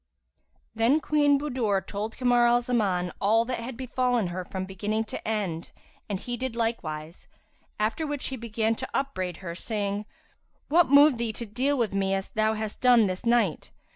"[FN#354] Then Queen Budur told Kamar al Zaman all that had befallen her from beginning to end and he did likewise; after which he began to upbraid her, saying, "What moved thee to deal with me as thou hast done this night?"